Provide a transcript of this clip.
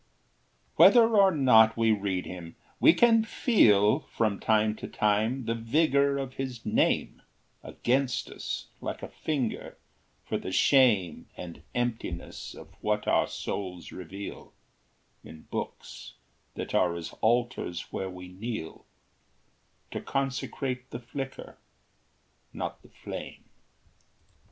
Whether or not we read him, we can feel From time to time the vigor of his name Against us like a finger for the shame And emptiness of what our souls reveal In books that are as altars where we kneel To consecrate the flicker, not the flame.